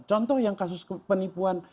contoh yang kasus penipuan